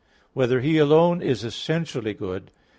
(3) Whether He alone is essentially good?